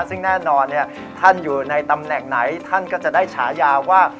ซึ่งแน่นอนท่านอยู่ในตำแหน่งไหนท่านก็จะได้ฉายาว่า